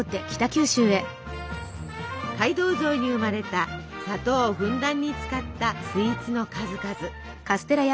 街道沿いに生まれた砂糖をふんだんに使ったスイーツの数々。